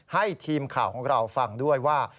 ให้ทีมข่าวของเราฟังด้วยว่า